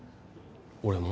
俺も？